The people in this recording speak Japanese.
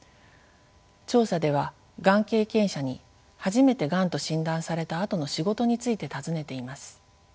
調査ではがん経験者に初めてがんと診断されたあとの仕事について尋ねています。